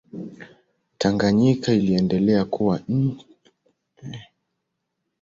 Tanganyika iliendelea kuwa chini ya Uingereza na Dar es Salaam kuwa mji mkuu.